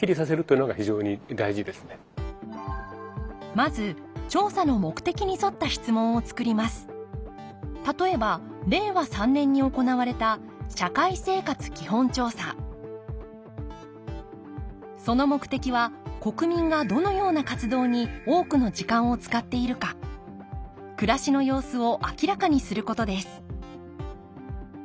まず例えば令和３年に行われた社会生活基本調査その目的は国民がどのような活動に多くの時間を使っているか暮らしの様子を明らかにすることです